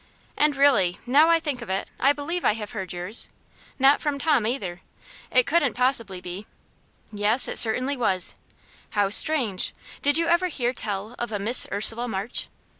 And really, now I think of it, I believe I have heard yours. Not from Tom, either. It couldn't possibly be Yes! it certainly was How strange! Did you ever hear tell of a Miss Ursula March?"